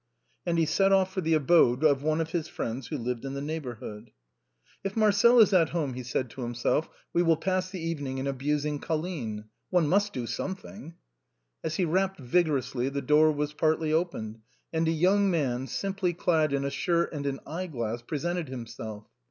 And he set out for the abode of one of his friends who lived in the neighborhood. 45 46 THE BOHEMIANS OF THE LATIN QUARTER. " If Marcel is at home," said he to himself, " we will pass the evening in abusing Colline. One must do some thing." As he rapped vigorously, the door was partly opened, and a young man, simply clad in a shirt and an eye glass, pre sented himself.